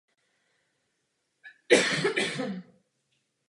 Nejde však pouze a jenom o ně.